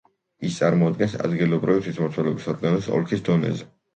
ის წარმოადგენს ადგილობრივი თვითმმართველობის ორგანოს ოლქის დონეზე.